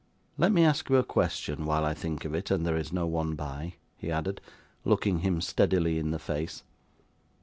'Let me ask you a question while I think of it, and there is no one by,' he added, looking him steadily in the face.